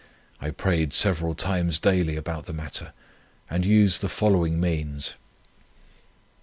I prayed several times daily about the matter, and used the following means: 1.